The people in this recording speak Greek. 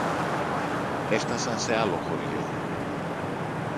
Έφθασαν σε άλλο χωριό